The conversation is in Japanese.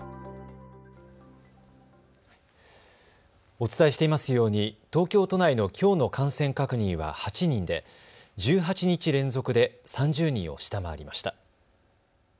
お伝えしていますように東京都内のきょうの感染確認は８人で１８日連続で３０人を下回りました。